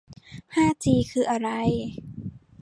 ห้าจีคืออะไร